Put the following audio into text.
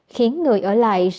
khiến người ở lại rơi